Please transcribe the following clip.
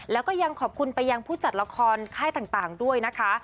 แล้วก็ยังขอบคุณไปยังผู้จัดละครค่ายต่างด้วยนะคะ